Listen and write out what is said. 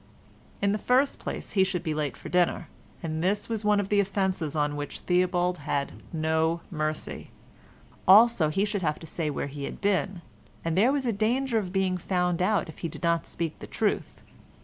In the first place he should be late for dinner, and this was one of the offences on which Theobald had no mercy. Also he should have to say where he had been, and there was a danger of being found out if he did not speak the truth.